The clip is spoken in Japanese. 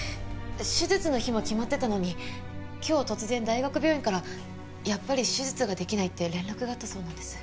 手術の日も決まってたのに今日突然大学病院からやっぱり手術ができないって連絡があったそうなんです。